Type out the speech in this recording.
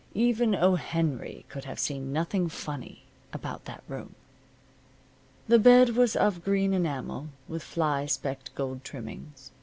Even O. Henry could have seen nothing funny about that room. The bed was of green enamel, with fly specked gold trimmings.